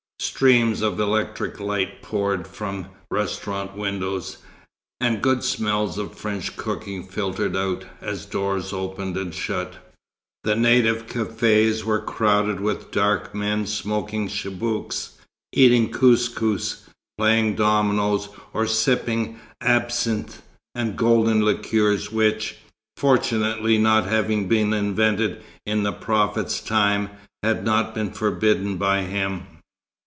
Streams of electric light poured from restaurant windows, and good smells of French cooking filtered out, as doors opened and shut. The native cafés were crowded with dark men smoking chibouques, eating kous kous, playing dominoes, or sipping absinthe and golden liqueurs which, fortunately not having been invented in the Prophet's time, had not been forbidden by him.